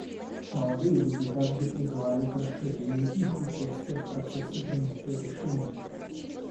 Молодые люди также призвали к расширению их участия в процессе принятия решений.